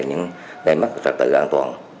những gây mất trạc tự an toàn